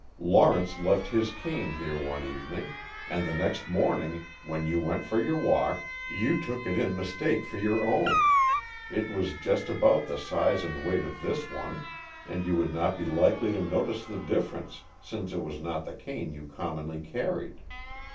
Lawrence left his cane here one evening, and the next morning, when you went for your walk, you took it in mistake for your own. It was just about the size and weight of this one, and you would not be likely to notice the difference since it was not the cane you commonly carried.